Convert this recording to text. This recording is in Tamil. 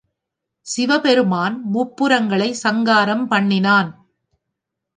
சிவபெருமான் முப்புரங்களைச் சங்காரம் பண்ணினான்.